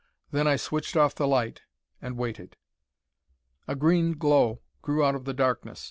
Then I switched off the light, and waited. A green glow grew out of the darkness.